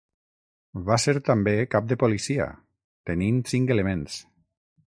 Va ser també Cap de Policia, tenint cinc elements.